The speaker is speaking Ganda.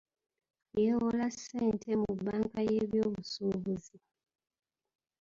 Yeewola ssente mu bbanka y'ebyobusubuzi.